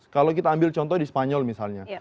kalau kita ambil contoh di spanyol misalnya